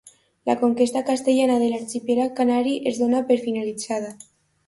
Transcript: La conquesta castellana de l'arxipèlag canari es dóna per finalitzada.